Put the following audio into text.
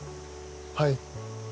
はい。